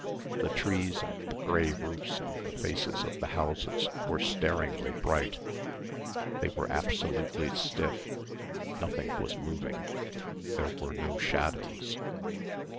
The trees and the grey roofs and the faces of the houses were staringly bright. They were absolutely stiff, nothing was moving, there were no shadows.